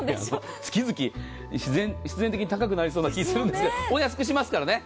月々、必然的に高くなりそうな気がするんですがお安くしますからね。